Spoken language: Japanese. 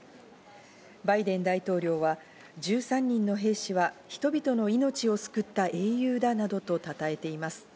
バイデン大統領は１３人の兵士は人々の命を救った英雄だなどとたたえています。